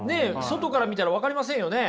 外から見たら分かりませんよね。